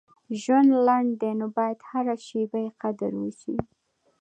• ژوند لنډ دی، نو باید هره شیبه یې قدر وشي.